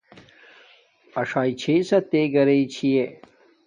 اݽݵ چھسا تے گھرݵ چھی یہ